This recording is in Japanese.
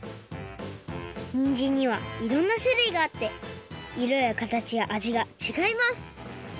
にんじんにはいろんなしゅるいがあっていろやかたちやあじがちがいます。